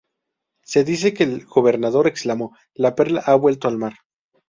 Se dice que el gobernador exclamó: "la perla ha vuelto al mar".